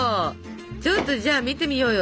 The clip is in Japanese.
ちょっとじゃあ見てみようよ